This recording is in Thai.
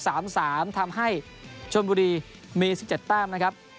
๓๓ทำให้ชมบุรีมี๑๗แต้มนะครับ